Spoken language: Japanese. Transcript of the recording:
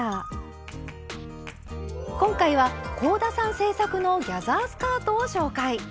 今回は香田さん制作のギャザースカートを紹介。